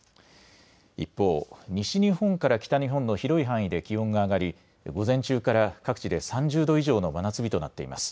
一方、西日本から北日本の広い範囲で気温が上がり午前中から各地で３０度以上の真夏日となっています。